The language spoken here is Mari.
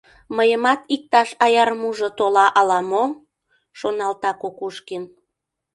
«Мыйымат иктаж аярмужо тола ала-мо?» — шоналта Кукушкин.